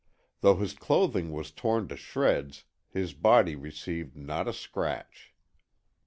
Though his clothing was torn to shreds, his body received not a scratch.